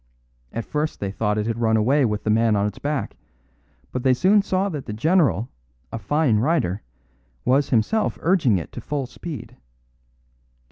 At first they thought it had run away with the man on its back; but they soon saw that the general, a fine rider, was himself urging it to full speed.